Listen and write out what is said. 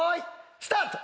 スタート。